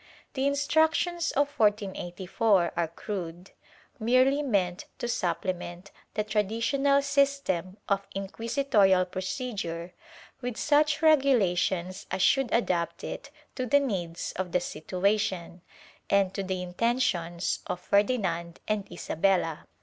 The Instructions of 1484 are crude, merely meant to supplement the traditional system of inquisitorial procedure with such regulations as should adapt it to the needs of the situation and to the intentions of Ferdinand (36) Chap. VIlI] AUDIENCES 37 and Isabella.